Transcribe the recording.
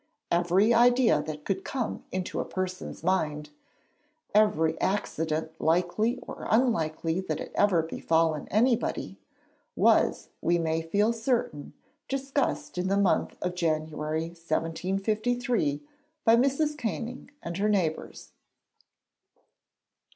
Every idea that could come into a person's mind every accident likely or unlikely that had ever befallen anybody was, we may feel certain, discussed in the month of January 1753 by Mrs. Canning and her neighbours.